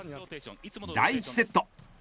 第１セット。